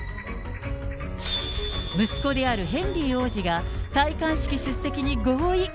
息子であるヘンリー王子が戴冠式出席に合意。